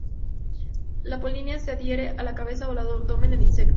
Las polinia se adhieren a la cabeza ó al abdomen del insecto.